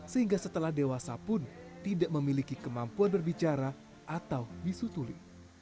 sehingga setelah dewasa pun tidak memiliki kemampuan berbicara atau bisu tuli